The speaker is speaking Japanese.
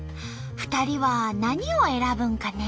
２人は何を選ぶんかね？